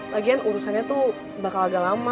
lagian urusannya tuh bakal agak lama